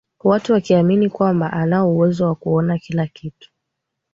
Watu wakiamini kwamba anao uwezo wa kuona kila kitu